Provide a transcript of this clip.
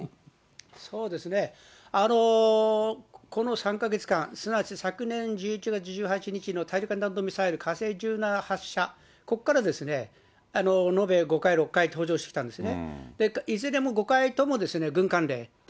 そうですね、この３か月間、すなわち昨年１１月１８日の大陸間弾道ミサイル、火星１７発射、ここから延べ５回、６回登場してきたんですね。